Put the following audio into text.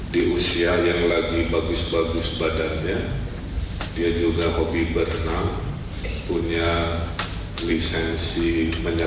di usia yang lagi bagus bagus badannya dia juga hobi berenang punya lisensi